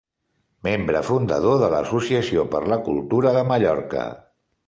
Membre fundador de l'Associació per la Cultura de Mallorca.